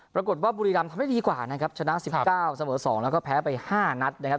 บุรีรำทำได้ดีกว่านะครับชนะ๑๙เสมอ๒แล้วก็แพ้ไป๕นัดนะครับ